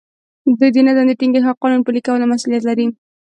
دوی د نظم د ټینګښت او قانون پلي کولو مسوولیت لري.